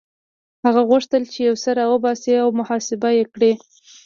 هغه غوښتل چې يو څه را وباسي او محاسبه يې کړي.